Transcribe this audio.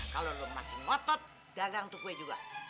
kalau lo masih ngotot dagang tuh kue juga